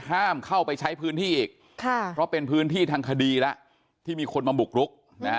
ห้ามเข้าไปใช้พื้นที่อีกเพราะเป็นพื้นที่ทางคดีแล้วที่มีคนมาบุกรุก